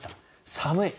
寒い。